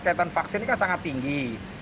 kayatan vaksin ini kan sangat banyak